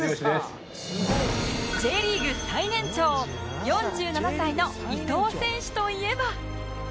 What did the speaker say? Ｊ リーグ最年長４７歳の伊東選手といえば